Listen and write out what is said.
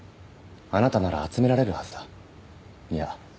あなたなら集められるはずだいや